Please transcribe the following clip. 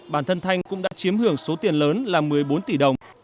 bản thân thanh cũng đã chiếm hưởng số tiền lớn là một mươi bốn tỷ đồng